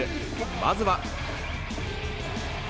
まずは。